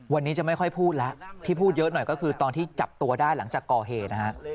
วันนี้จะไม่ค่อยพูดแล้วที่พูดเยอะหน่อยก็คือตอนที่จับตัวได้หลังจากก่อเหตุนะฮะ